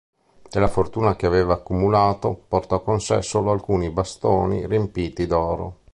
Della fortuna che aveva accumulato, portò con sé solo alcuni bastoni riempiti d'oro.